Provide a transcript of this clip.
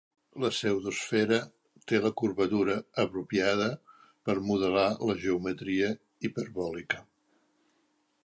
La pseudoesfera té la curvatura apropiada per modelar la geometria hiperbòlica.